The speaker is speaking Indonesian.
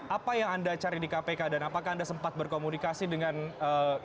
apa yang anda cari di kpk dan apakah anda sempat berkomunikasi dengan kpk